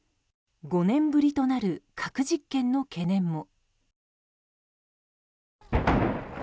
５年ぶりとなる核実験の懸念も。